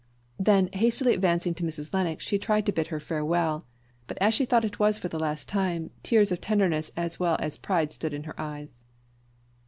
Then hastily advancing to Mrs. Lennox, she tried to bid her farewell; but as she thought it was for the last time, tears of tenderness as well as pride stood in her eyes.